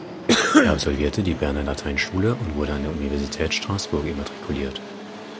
Er absolvierte die Berner Lateinschule und wurde an der Universität Straßburg immatrikuliert.